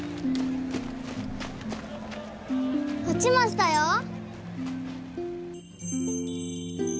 落ちましたよ。